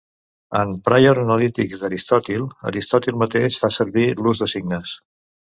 En "Prior Analytics" d'Aristòtil, Aristòtil mateix fa servir l'us de signes.